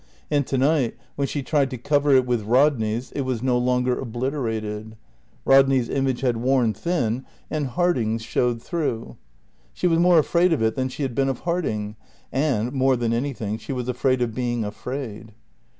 And to night, when she tried to cover it with Rodney's it was no longer obliterated. Rodney's image had worn thin and Harding's showed through. She was more afraid of it than she had been of Harding; and, more than anything, she was afraid of being afraid.